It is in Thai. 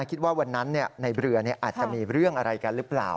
คิดว่าวันนั้นในเรืออาจจะมีเรื่องอะไรกันหรือเปล่า